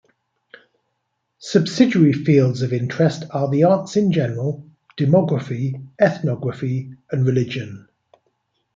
Subsidiary fields of interest are the arts in general, demography, ethnography and religion.